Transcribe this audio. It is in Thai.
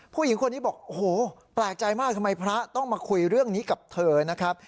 ผู้หญิงคนนี้บอกโอ้โหแปลกใจมากทำไมพระต้องมาคุยเรื่องนี้กับเธอนะครับ